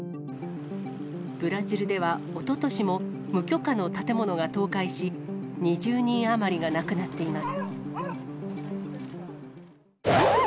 ブラジルではおととしも無許可の建物が倒壊し、２０人余りが亡くなっています。